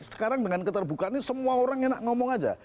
sekarang dengan keterbukaannya semua orang enak ngomong saja